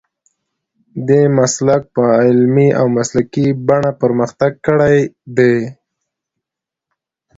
دې مسلک په عملي او مسلکي بڼه پرمختګ کړی دی.